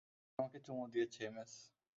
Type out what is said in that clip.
ও-ই আমাকে চুমু দিয়েছে, এমএস।